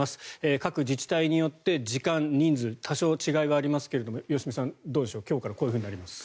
各自治体によって時間、人数多少違いはありますけど良純さん、どうでしょう今日からこうなります。